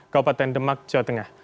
kabupaten demak jawa tengah